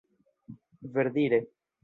verdire